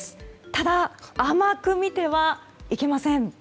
ただ、甘く見てはいけません。